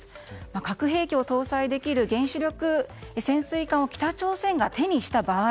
核兵器を搭載できる原子力潜水艦を北朝鮮が手にした場合